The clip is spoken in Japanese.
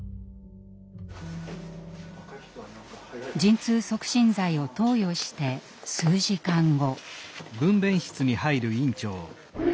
陣痛促進剤を投与して数時間後。